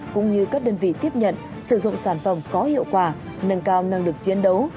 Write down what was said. cũng như các đơn vị tiếp nhận sử dụng sản phẩm có hiệu quả nâng cao năng lực chiến đấu